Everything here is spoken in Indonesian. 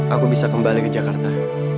aku bisa kembali ke jakarta